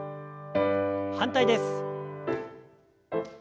反対です。